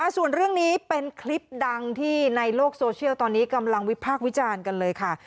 ส่วนเรื่องนี้เป็นคลิปดังที่ในโลกโซเชียลตอนนี้กำลังวิพากษ์วิจารณ์กันเลยค่ะ